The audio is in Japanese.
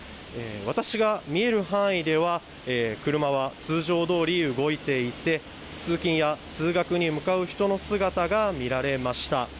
私が見える範囲では、車は通常どおり動いていて、通勤や通学に向かう人の姿が見られました。